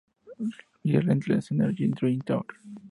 Relentless Energy Drink tour.